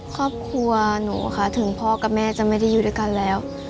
ครอบครัวหนูค่ะถึงพ่อกับแม่จะไม่ได้อยู่ด้วยกันแล้ว